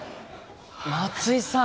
松井さん